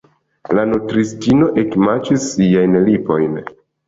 La nutristino ekmaĉis siajn lipojn.